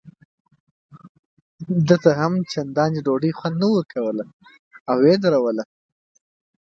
ده ته هم چندان ډوډۍ خوند نه ورکاوه او یې ودروله.